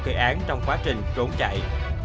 kê án trong quá trình rốn chạy